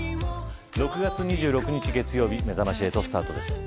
６月２６日月曜日めざまし８スタートです。